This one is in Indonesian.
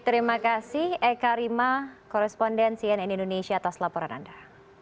terima kasih eka rima korespondensi nn indonesia atas laporan anda